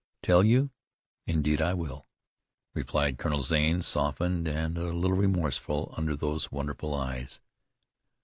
"Tell you? Indeed I will," replied Colonel Zane, softened and a little remorseful under those wonderful eyes.